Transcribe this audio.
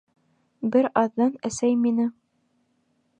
Бер аҙҙан әсәй мине: